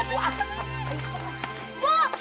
ini orang kamu bu